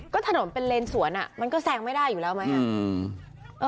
ก็ถนนเป็นเลนสวนมันก็แซงไม่ได้อยู่แล้วไหม